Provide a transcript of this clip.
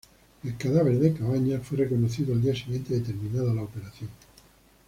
El cadáver de Cabañas fue reconocido al día siguiente de terminada la operación.